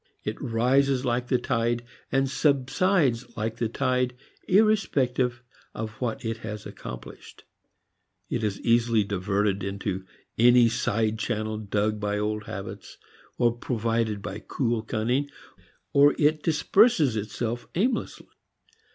It rises like the tide and subsides like the tide irrespective of what it has accomplished. It is easily diverted into any side channel dug by old habits or provided by cool cunning, or it disperses itself aimlessly.